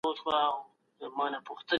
باید د جرمونو د مخنیوي لپاره تګلارې جوړې سي.